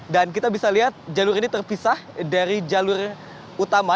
dan kita bisa lihat jalur ini terpisah dari jalur utama